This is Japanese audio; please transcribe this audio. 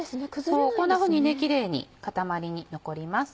こんなふうにキレイに固まりに残ります。